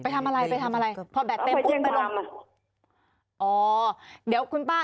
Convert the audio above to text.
ไปทำอะไรพอเบ็ดเต็มก็ไปลงอ๋อเดี๋ยวคุณป้า